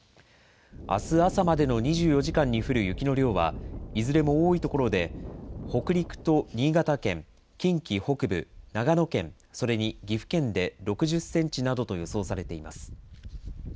あす朝までの２４時間に降る雪の量はいずれも多いところで北陸と新潟県、近畿北部、長野県、それに岐阜県で６０センチなどと予想されています。